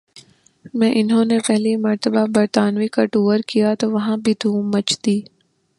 میں انہو نہ پہلی مرتبہ برطانوی کا ٹور کیا تو وہاں بھی دھوم مچ دی